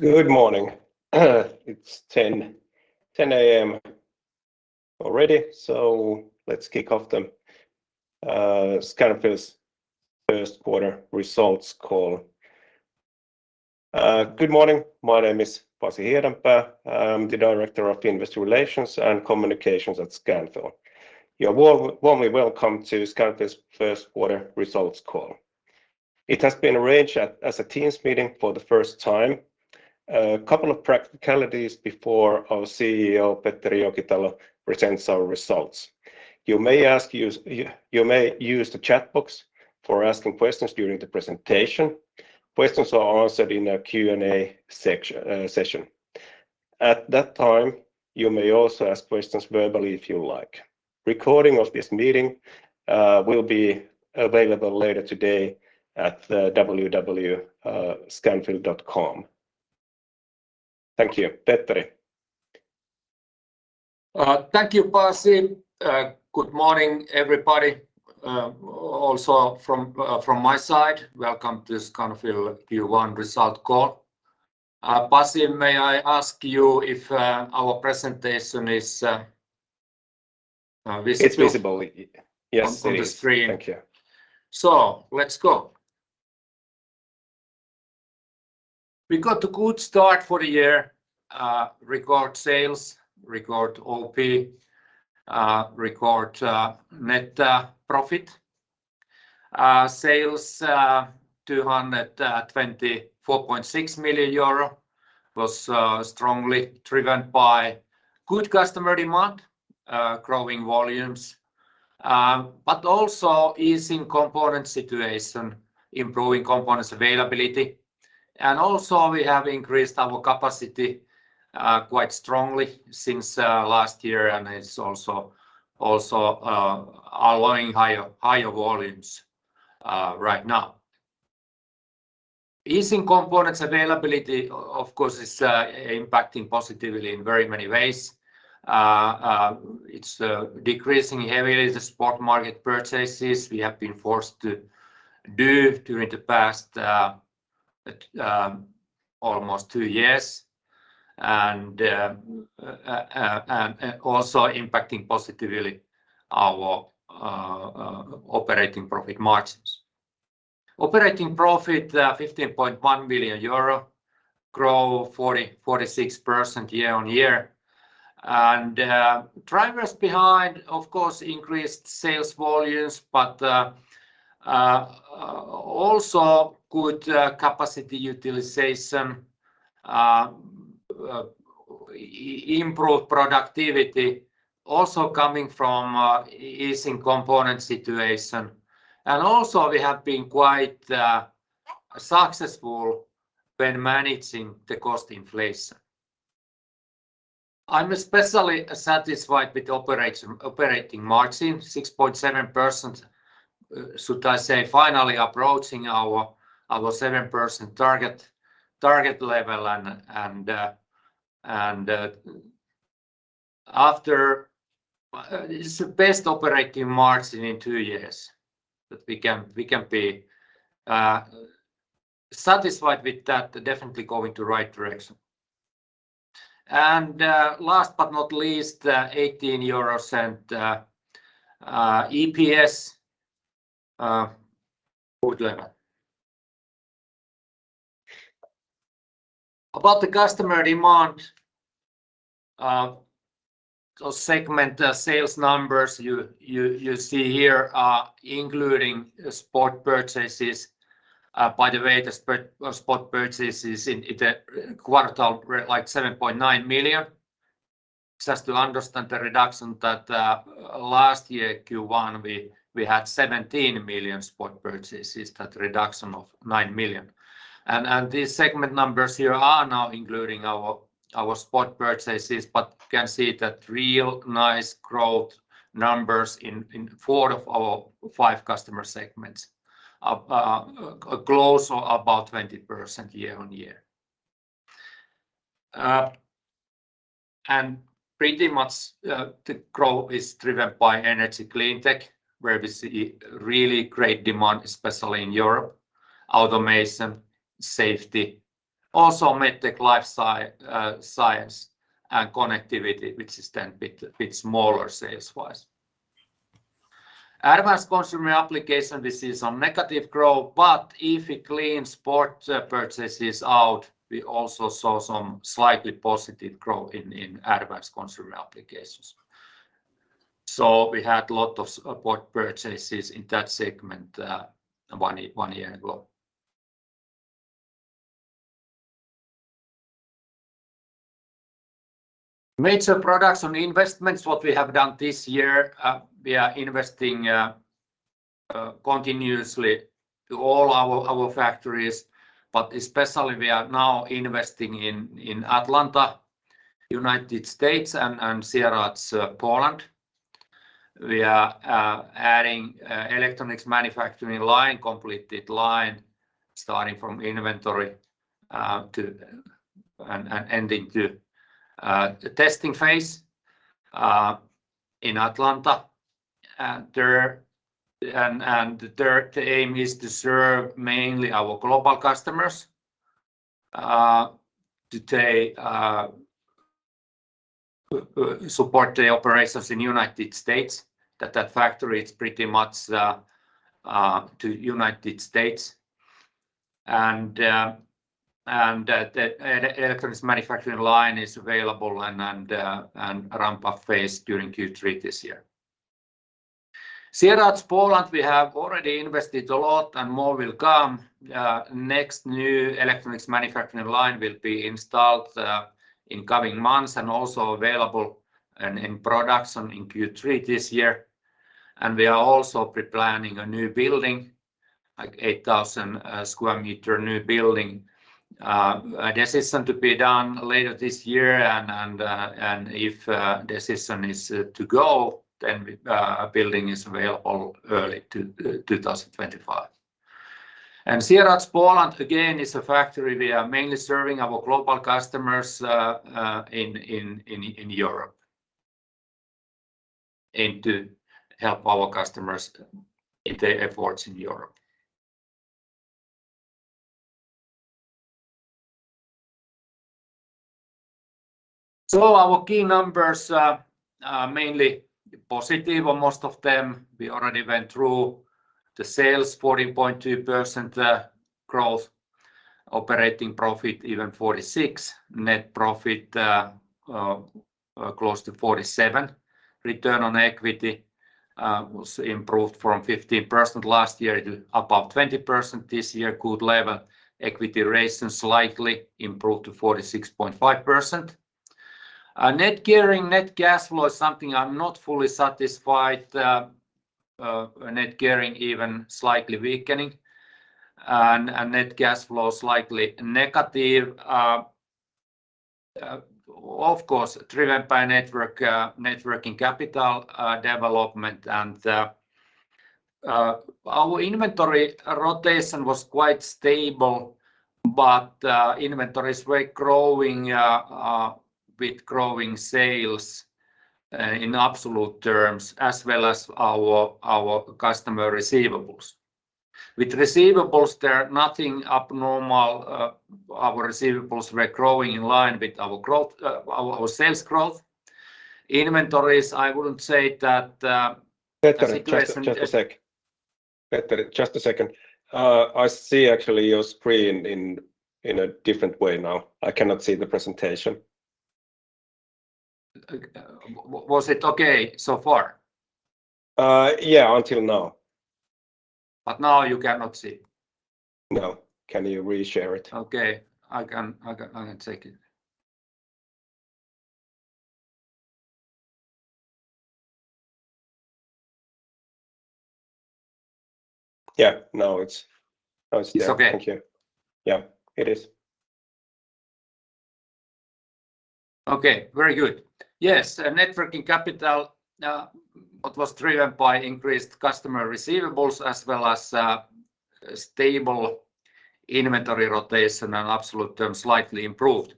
Good morning. It's 10, 10:00 A.M. already, let's kick off the Scanfil's Q1 results call. Good morning. My name is Pasi Hiedanpää. I'm the Director of Investor Relations and Communications at Scanfil. You're warmly welcome to Scanfil's Q1 results call. It has been arranged as a Teams meeting for the first time. A couple of practicalities before our CEO, Petteri Jokitalo, presents our results. You may use the chat box for asking questions during the presentation. Questions are answered in a Q&A session. At that time, you may also ask questions verbally if you like. Recording of this meeting will be available later today at www.scanfil.com. Thank you. Petteri. Thank you, Pasi. Good morning, everybody, also from my side. Welcome to Scanfil Q1 result call. Pasi, may I ask you if our presentation is visible? It's visible. Yes, it is.... on the screen? Thank you. Let's go. We got a good start for the year. Record sales, record OP, record net profit. Sales 224.6 million euro, was strongly driven by good customer demand, growing volumes, but also easing component situation, improving components availability. And also we have increased our capacity quite strongly since last year and is also allowing higher volumes right now. Easing components availability of course is impacting positively in very many ways. It's decreasing heavily the spot market purchases we have been forced to do during the past almost two years, and also impacting positively our operating profit margins. Operating profit EUR 15.1 million, grew 46% year-on-year. Drivers behind, of course, increased sales volumes but also good capacity utilization, improved productivity also coming from easing component situation. Also we have been quite successful when managing the cost inflation. I'm especially satisfied with operation, operating margin, 6.7%. Should I say finally approaching our 7% target level and it's the best operating margin in two years, that we can be satisfied with that, definitely going to right direction. Last but not least, 18 euro and EPS good level. About the customer demand, segment sales numbers you see here are including spot purchases. By the way, the spot purchases in the quarter are 7.9 million. Just to understand the reduction that last year Q1 we had 17 million spot purchases, that reduction of 9 million. These segment numbers here are now including our spot purchases, but you can see that real nice growth numbers in four of our five customer segments. close or about 20% year-on-year. Pretty much the growth is driven by Energy & Cleantech, where we see really great demand, especially in Europe. Automation & Safety, also Medtech & Life Science and Connectivity, which is then bit smaller sales wise. Advanced Consumer Applications, we see some negative growth, but if we clean spot purchases out, we also saw some slightly positive growth in Advanced Consumer Applications. We had lot of spot purchases in that segment one year ago. Major products and investments, what we have done this year, we are investing continuously to all our factories, but especially we are now investing in Atlanta, United States, and Sieradz, Poland. We are adding electronics manufacturing line, completed line starting from inventory to and ending to testing phase in Atlanta. There, the aim is to serve mainly our global customers today, support the operations in United States. That factory is pretty much to United States. The electronics manufacturing line is available and ramp-up phase during Q3 this year. Sieradz, Poland. We have already invested a lot and more will come. Next new electronics manufacturing line will be installed in coming months and also available and in production in Q3 this year. We are also pre-planning a new building, like 8,000 square meter new building. The decision to be done later this year and if the decision is to go, then building is available early to 2025. Sieradz Poland, again, is a factory. We are mainly serving our global customers in Europe. To help our customers in their efforts in Europe. Our key numbers are mainly positive on most of them. We already went through the sales, 14.2% growth. Operating profit even 46%. Net profit close to 47%. Return on equity was improved from 15% last year to above 20% this year. Good level. Equity ratio slightly improved to 46.5%. Net gearing, net cash flow is something I'm not fully satisfied. Net gearing even slightly weakening. Net cash flow slightly negative. Of course, driven by network, networking capital development. Our inventory rotation was quite stable. Inventories were growing with growing sales in absolute terms as well as our customer receivables. With receivables there are nothing abnormal. Our receivables were growing in line with our growth, our sales growth. Inventories, I wouldn't say that. Petteri, just a sec. Petteri, just a second. I see actually your screen in a different way now. I cannot see the presentation. Was it okay so far? Yeah, until now. Now you cannot see? No. Can you re-share it? Okay. I can take it. Yeah. Now it's there. It's okay? Thank you. Yeah. It is. Okay. Very good. Yes, networking capital, what was driven by increased customer receivables as well as stable inventory rotation and absolute terms slightly improved.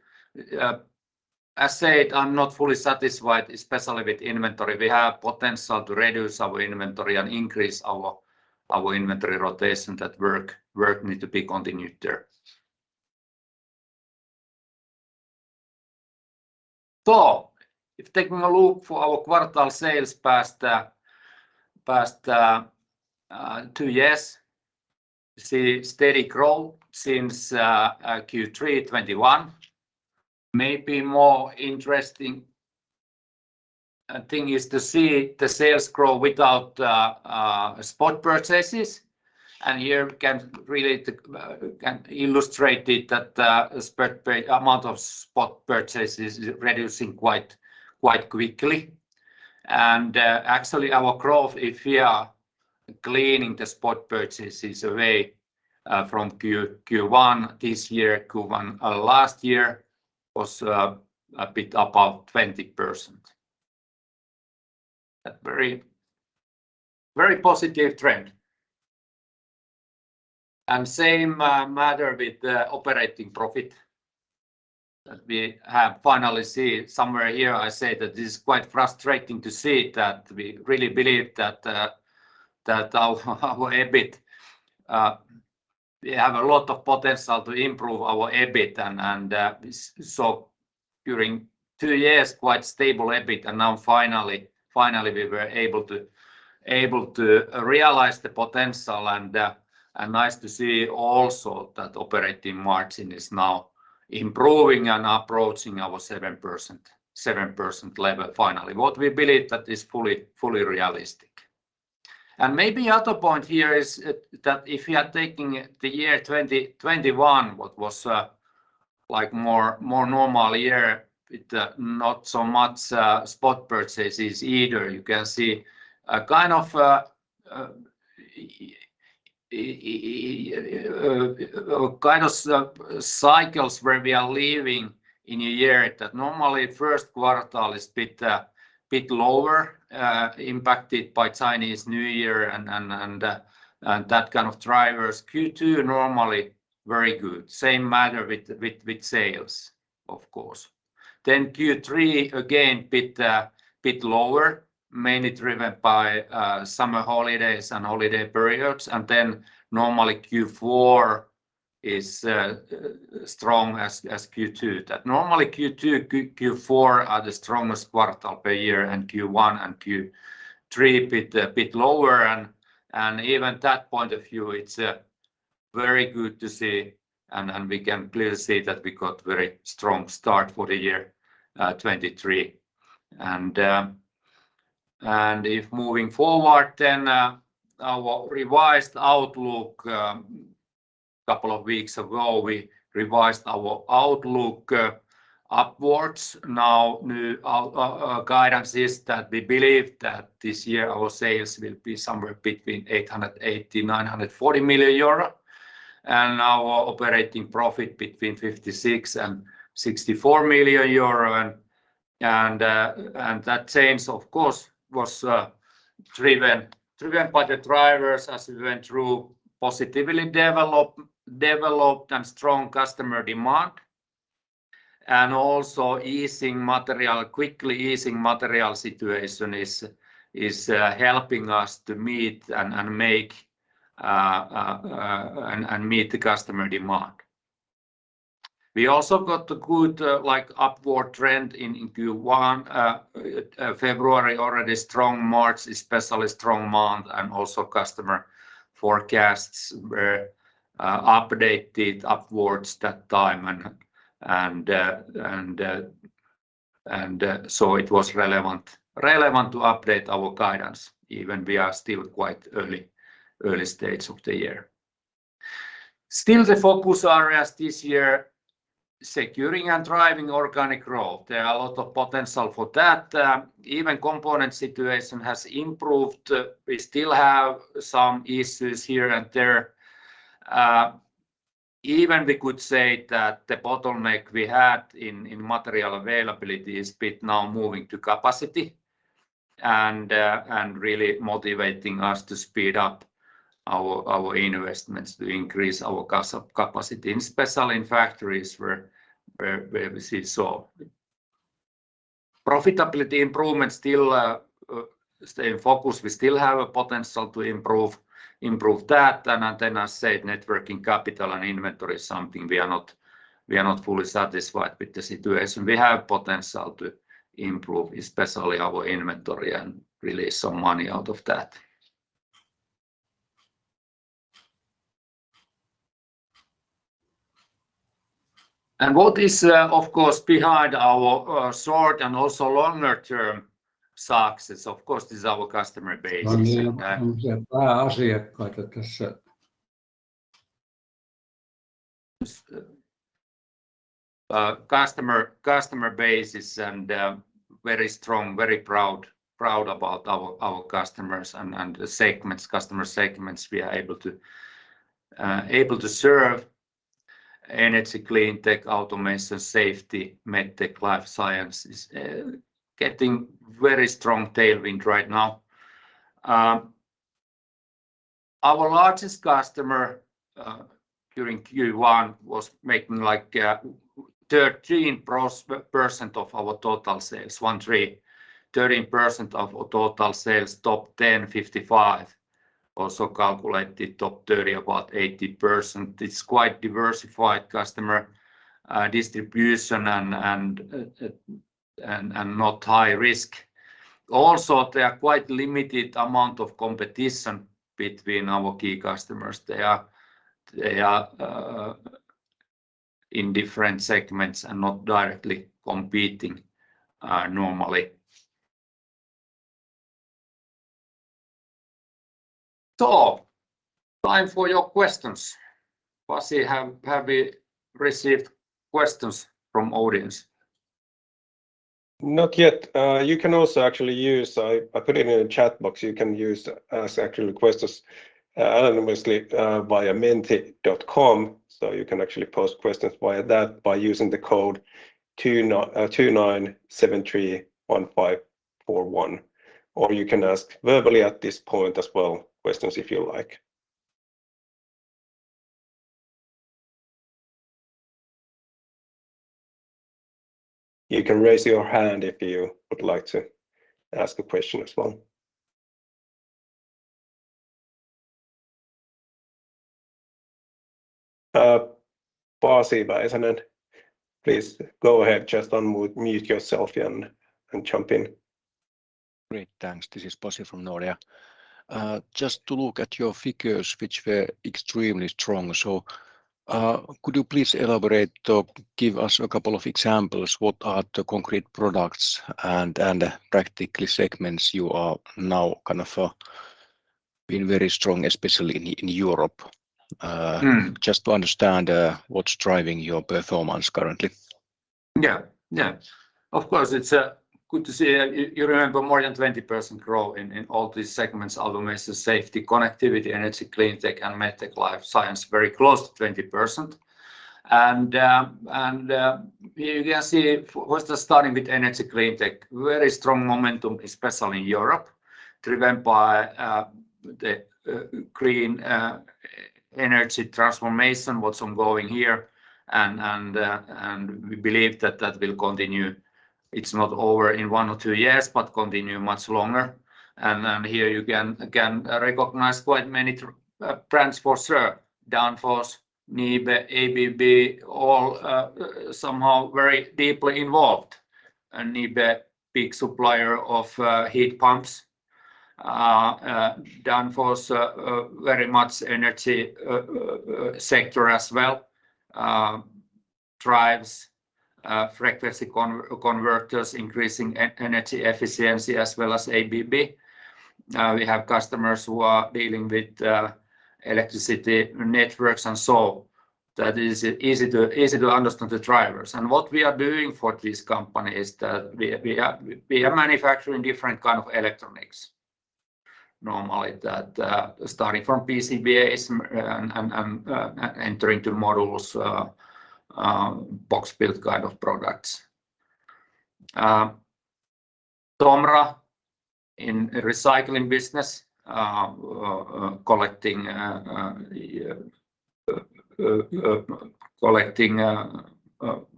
As said, I'm not fully satisfied, especially with inventory. We have potential to reduce our inventory and increase our inventory rotation. That work need to be continued there. If taking a look for our quarter sales past two years, you see steady growth since Q3 2021. Maybe more interesting thing is to see the sales grow without spot purchases. Here we can really can illustrate it that amount of spot purchases reducing quite quickly. Actually our growth if we are cleaning the spot purchases away from Q1 this year, Q1 last year was a bit above 20%. A very, very positive trend. Same matter with the operating profit that we have finally see somewhere here. I say that it is quite frustrating to see that we really believe that our EBIT, we have a lot of potential to improve our EBIT and so during two years, quite stable EBIT. Now finally we were able to realize the potential and nice to see also that operating margin is now improving and approaching our 7% level finally. What we believe that is fully realistic. Maybe other point here is that if we are taking the year 2021, what was like more normal year with not so much spot purchases either. You can see a kind of cycles where we are living in a year that normally Q1 is bit lower, impacted by Chinese New Year and that kind of drivers. Q2 normally very good. Same matter with sales, of course. Q3 again bit lower, mainly driven by summer holidays and holiday periods. normally Q4 is strong as Q2. normally Q2, Q4 are the strongest quarter per year and Q1 and Q3 bit lower. even that point of view, it's very good to see and we can clearly see that we got very strong start for the year 2023. If moving forward our revised outlook, couple of weeks ago we revised our outlook upwards. Now new guidance is that we believe that this year our sales will be somewhere between 880 million euro and 940 million euro and our operating profit between 56 million and 64 million euro. That change, of course, was driven by the drivers as we went through positively developed and strong customer demand. Also easing material, quickly easing material situation is helping us to meet and make and meet the customer demand. We also got a good, like, upward trend in Q1. February already strong. March especially strong month and also customer forecasts were updated upwards that time. It was relevant to update our guidance even we are still quite early stage of the year. Still the focus areas this year, securing and driving organic growth. There are a lot of potential for that. Even component situation has improved. We still have some issues here and there. Even we could say that the bottleneck we had in material availability is bit now moving to capacity and really motivating us to speed up our investments to increase our capacity. Especially in factories where we see so. Profitability improvement still stay in focus. We still have a potential to improve that. Then I said networking capital and inventory is something we are not fully satisfied with the situation. We have potential to improve, especially our inventory and release some money out of that. What is, of course, behind our short and also longer term success, of course, is our customer base. Customer base is very strong, very proud about our customers and segments, customer segments we are able to serve. Energy, Cleantech, Automation, Safety, Medtech, Life Science is getting very strong tailwind right now. Our largest customer during Q1 was making like 13% of our total sales. One three. 13% of our total sales. Top 10, 55%. Also calculated top 30, about 80%. It's quite diversified customer distribution and not high risk. Also, there are quite limited amount of competition between our key customers. They are in different segments and not directly competing normally. Time for your questions. Pasi, have we received questions from audience? Not yet. I put it in the chat box. You can use actually questions anonymously via menti.com, so you can actually post questions via that by using the code 29731541, or you can ask verbally at this point as well questions if you like. You can raise your hand if you would like to ask a question as well. Pasi Väisänen, please go ahead. Just unmute yourself and jump in. Great. Thanks. This is Pasi from Nordea. Just to look at your figures, which were extremely strong. Could you please elaborate or give us a couple of examples? What are the concrete products and practically segments you are now kind of been very strong, especially in Europe? Hmm. Just to understand, what's driving your performance currently? Yeah. Yeah. Of course, it's good to see. You remember more than 20% growth in all these segments. Automation & Safety, Connectivity, Energy & Cleantech and Medtech & Life Science, very close to 20%. You can see first starting with Energy & Cleantech, very strong momentum, especially in Europe, driven by the clean energy transformation, what's ongoing here and we believe that that will continue. It's not over in one or two years, but continue much longer. Here you can recognize quite many brands for sure. Danfoss, NIBE, ABB, all somehow very deeply involved. NIBE, big supplier of heat pumps. Danfoss, very much energy sector as well. Drives, frequency converters, increasing energy efficiency, as well as ABB. We have customers who are dealing with electricity networks, that is easy to understand the drivers. What we are doing for this company is that we are manufacturing different kind of electronics. Normally that starting from PCBAs and entering to modules, box build kind of products. TOMRA in recycling business, collecting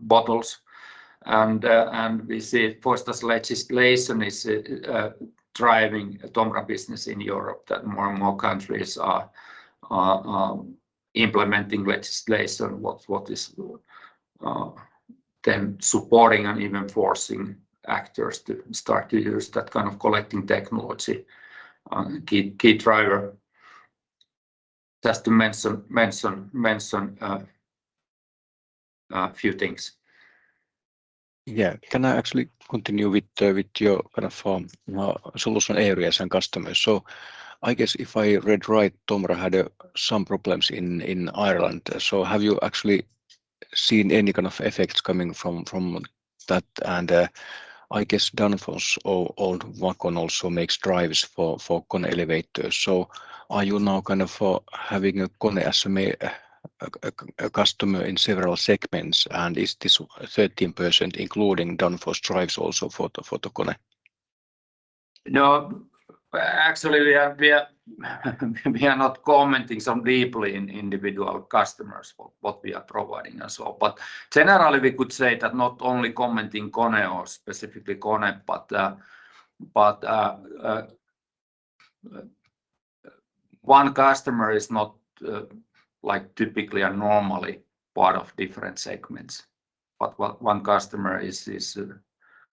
bottles and we see first as legislation is driving TOMRA business in Europe that more and more countries are implementing legislation what is them supporting and even forcing actors to start to use that kind of collecting technology. Key driver. Just to mention few things. Yeah. Can I actually continue with your kind of solution areas and customers? I guess if I read right, TOMRA had some problems in Ireland. Have you actually seen any kind of effects coming from that? I guess Danfoss or Vacon also makes drives for KONE elevators. Are you now kind of having a KONE as a customer in several segments? Is this 13% including Danfoss drives also for KONE? Actually, we are not commenting so deeply in individual customers for what we are providing. Generally, we could say that not only commenting KONE or specifically KONE, but one customer is not like typically or normally part of different segments. One customer is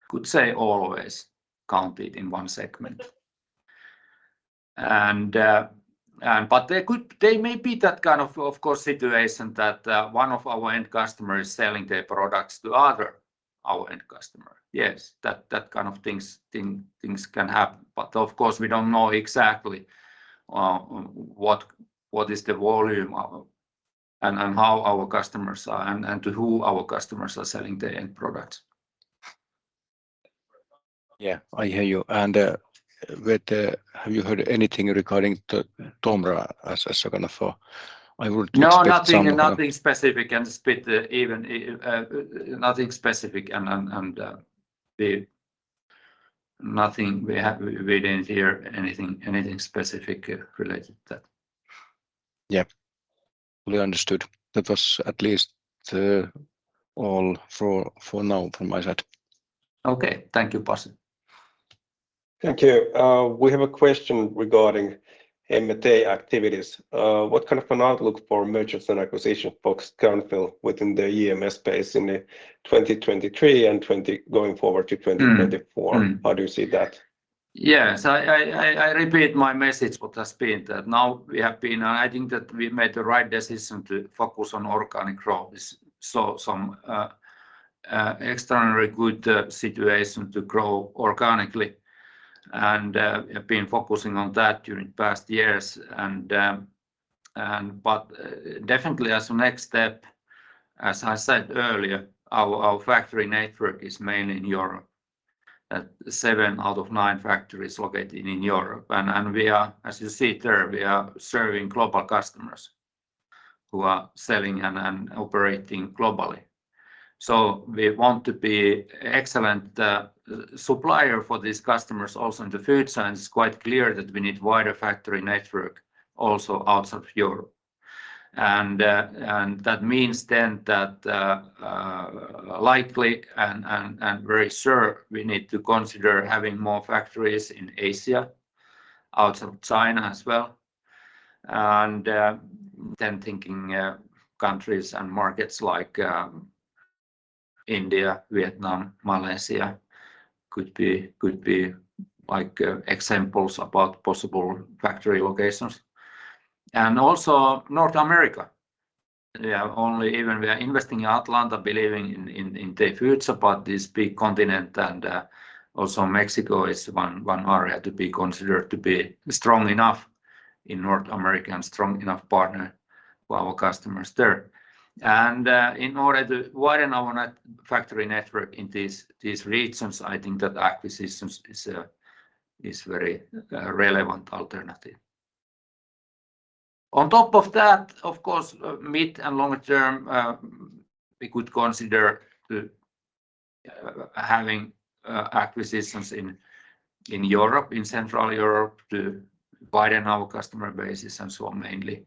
could say always counted in one segment. There may be that kind of course situation that one of our end customer is selling their products to other our end customer. Yes. That kind of things can happen. Of course, we don't know exactly what is the volume of and how our customers are and to who our customers are selling their end products. Yeah, I hear you. Have you heard anything regarding the TOMRA as kind of, I would expect? No, nothing specific and spit even, nothing specific and, Nothing. We didn't hear anything specific related to that. Yeah. Fully understood. That was at least all for now from my side. Okay. Thank you, Pasi. Thank you. We have a question regarding M&A activities. What kind of an outlook for mergers and acquisitions Scanfil within the EMS space in 2023 and going forward to 2024? Mm-hmm. Mm-hmm. How do you see that? Yes. I repeat my message what has been that now we have been. I think that we made the right decision to focus on organic growth. Some extraordinary good situation to grow organically and have been focusing on that during the past years. But definitely as a next step, as I said earlier, our factory network is mainly in Europe, that seven out of nine factories located in Europe. We are, as you see there, we are serving global customers who are selling and operating globally. We want to be excellent supplier for these customers also in the life science. It's quite clear that we need wider factory network also outside of Europe. That means then that likely and very sure we need to consider having more factories in Asia, outside of China as well. Then thinking countries and markets like India, Vietnam, Malaysia could be like examples about possible factory locations. Also North America. We have only even we are investing in Atlanta, believing in the future about this big continent. Also Mexico is one area to be considered to be strong enough in North America and strong enough partner for our customers there. In order to widen our net-factory network in these regions, I think that acquisitions is very relevant alternative. On top of that, of course, mid- and long-term, we could consider the having acquisitions in Europe, in Central Europe to widen our customer bases and so mainly.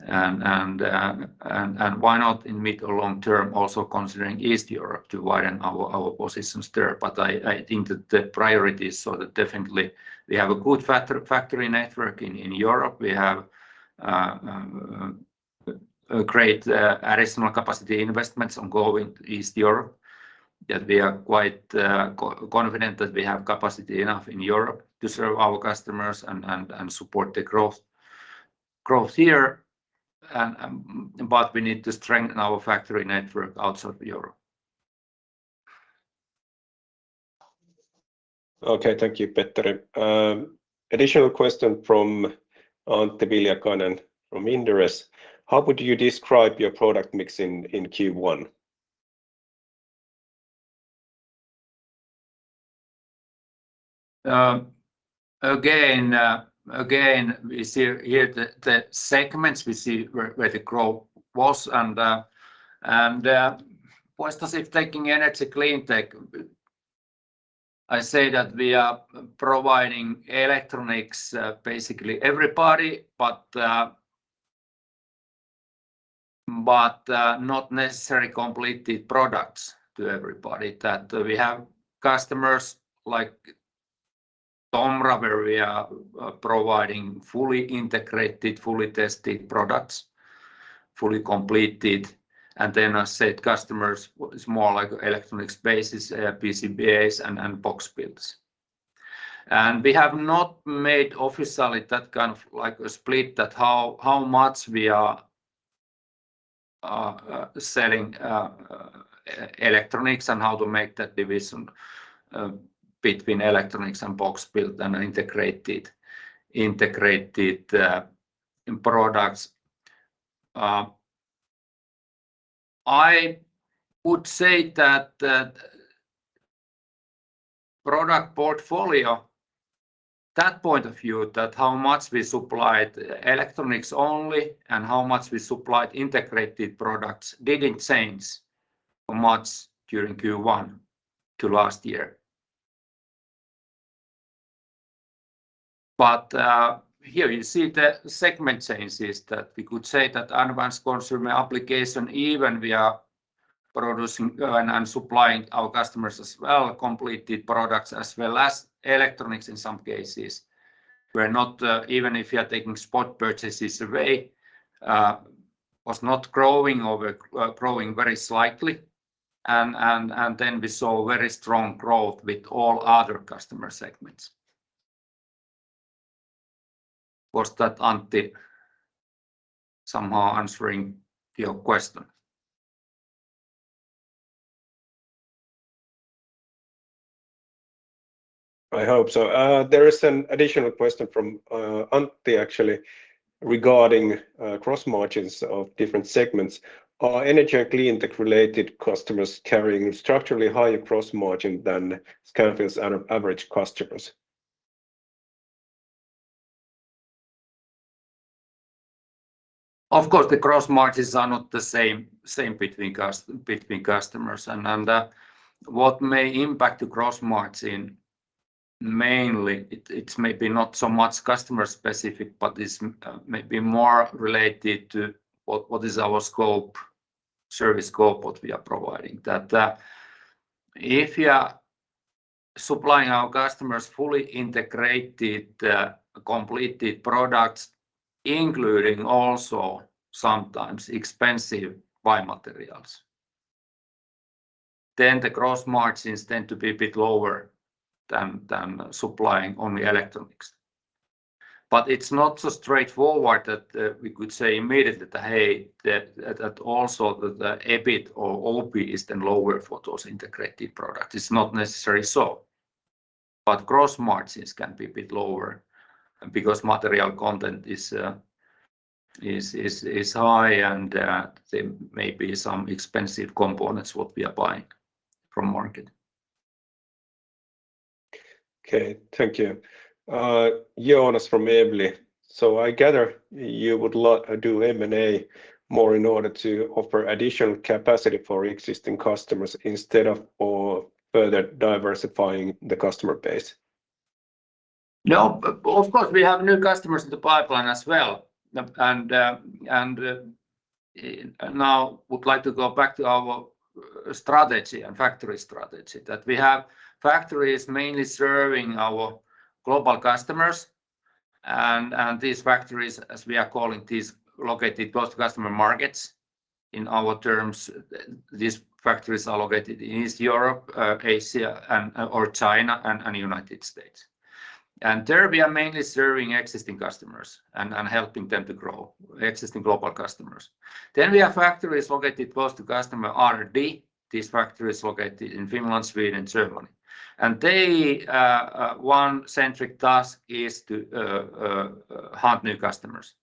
Why not in mid or long term also considering East Europe to widen our positions there. I think that the priority is sort of definitely we have a good factory network in Europe. We have great additional capacity investments ongoing East Europe that we are quite confident that we have capacity enough in Europe to serve our customers and support the growth here. We need to strengthen our factory network outside of Europe. Okay. Thank you, Petteri. Additional question from Antti Viljakainen and from Inderes. How would you describe your product mix in Q1? Again, we see here the segments. We see where the growth was and was specific taking Energy & Cleantech. I say that we are providing electronics, basically everybody, but not necessarily completed products to everybody that we have customers like TOMRA, where we are providing fully integrated, fully tested products, fully completed. Then I said customers is more like electronics basis, PCBAs and box builds. We have not made officially that kind of like a split that how much we are selling electronics and how to make that division between electronics and box build and integrated products. I would say that the product portfolio, that point of view that how much we supplied electronics only and how much we supplied integrated products didn't change much during Q1 to last year. Here you see the segment changes that we could say that Advanced Consumer Applications even we are producing and supplying our customers as well, completed products as well as electronics in some cases. We're not, even if we are taking spot purchases away, was not growing or were growing very slightly. Then we saw very strong growth with all other customer segments. Was that, Antti Viljakainen, somehow answering your question? I hope so. There is an additional question from Antti Viljakainen actually regarding gross margins of different segments. Are Energy and Cleantech related customers carrying structurally higher gross margin than Scanfil's and average customers? Of course, the gross margins are not the same between customers. What may impact the gross margin mainly it's maybe not so much customer specific, but it's maybe more related to what is our scope, service scope what we are providing. If we are supplying our customers fully integrated, completed products including also sometimes expensive buy materials, then the gross margins tend to be a bit lower than supplying only electronics. It's not so straightforward that we could say immediately that, hey, that also the EBIT or OP is then lower for those integrated products. It's not necessarily so. Gross margins can be a bit lower because material content is high and there may be some expensive components what we are buying from market. Okay. Thank you. Jonas from Evli. I gather you would do M&A more in order to offer additional capacity for existing customers instead of or further diversifying the customer base? No, of course, we have new customers in the pipeline as well. Now would like to go back to our strategy and factory strategy that we have factories mainly serving our global customers. These factories, as we are calling these located close to customer markets. In our terms, these factories are located in East Europe, Asia or China and United States. There we are mainly serving existing customers and helping them to grow existing global customers. Then we have factories located close to customer RD. These factories located in Finland, Sweden, Germany. They, one centric task is to hunt new customers.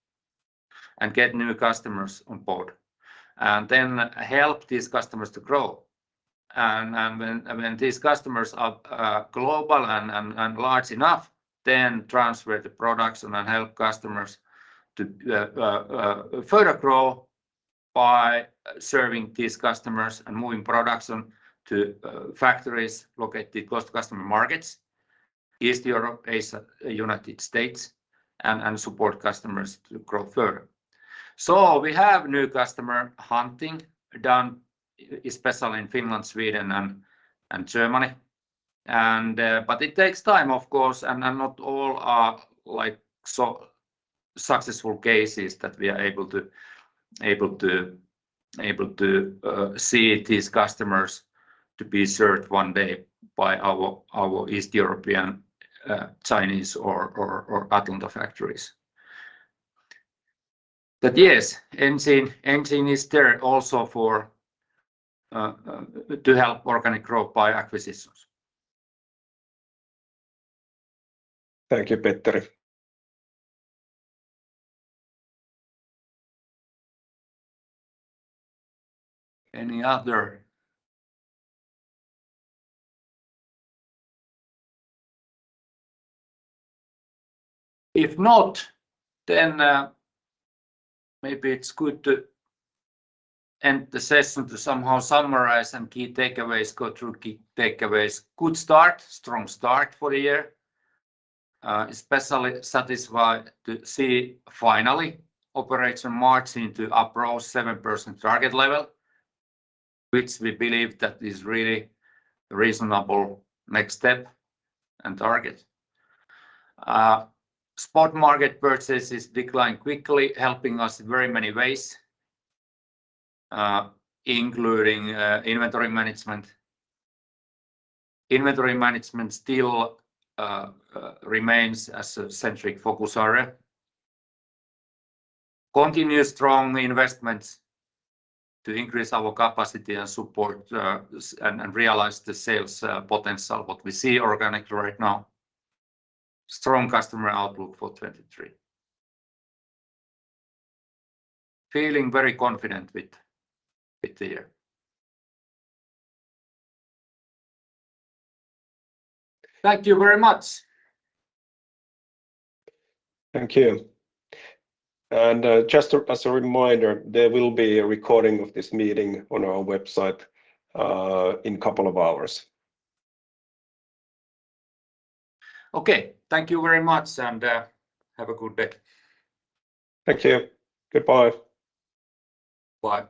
Get new customers on board. Then help these customers to grow. When these customers are global and large enough, then transfer the products and then help customers to further grow by serving these customers and moving production to factories located close to customer markets. East Europe, Asia, United States, and support customers to grow further. We have new customer hunting done especially in Finland, Sweden and Germany. But it takes time, of course, and not all are, like, so successful cases that we are able to see these customers to be served one day by our East European, Chinese or Atlanta factories. Yes, Enics is there also for to help organic growth by acquisitions. Thank you, Petteri. Any other? If not, then, maybe it's good to end the session to somehow summarize some key takeaways, go through key takeaways. Good start, strong start for the year. Especially satisfied to see finally operation margin to approach 7% target level, which we believe that is really reasonable next step and target. Spot market purchases decline quickly, helping us in very many ways, including inventory management. Inventory management still remains as a centric focus area. Continuous strong investments to increase our capacity and support and realize the sales potential what we see organically right now. Strong customer outlook for 2023. Feeling very confident with the year. Thank you very much. Thank you. Just, as a reminder, there will be a recording of this meeting on our website, in couple of hours. Okay. Thank you very much, and, have a good day. Thank you. Goodbye. Bye.